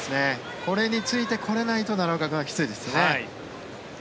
これについてこれないと奈良岡君はきついですね。